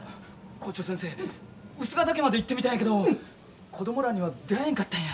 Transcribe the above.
校長先生臼ヶ岳まで行ってみたんやけど子供らには出会えんかったんや。